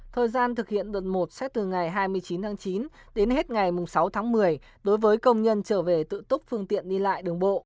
thời gian thực hiện đợt một sẽ từ ngày hai mươi chín tháng chín đến hết ngày sáu tháng một mươi đối với công nhân trở về tự túc phương tiện đi lại đường bộ